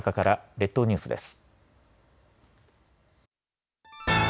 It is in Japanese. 列島ニュースです。